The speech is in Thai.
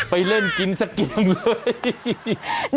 ไปเล่นกินแค่กินทางเลย